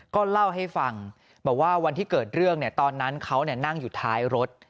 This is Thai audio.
ก็เล่าให้ฟังบอกว่าวันที่เกิดเรื่องตอนนั้นเขานั่งอยู่ท้ายรถ